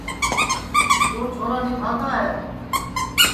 یو چھورا نِبھاگا ہے